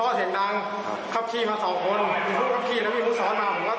แล้วจากการตรวจสอบมึงเจ้านี่รถออกไปไหนบ้างครับ